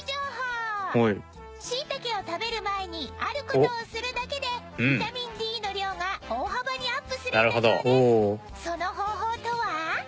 シイタケを食べる前にある事をするだけでビタミン Ｄ の量が大幅にアップするんだそうです